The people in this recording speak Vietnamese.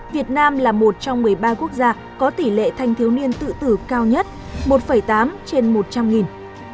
việt nam là một trong một mươi ba quốc gia có tỷ lệ thanh thiếu niên tự tử cao nhất một tám trên một trăm linh nghìn